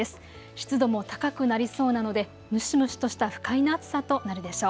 湿度も高くなりそうなので蒸し蒸しとした不快な暑さとなるでしょう。